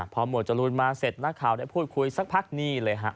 พอหมวดจรูนมาเสร็จนักข่าวได้พูดคุยสักพักนี่เลยฮะ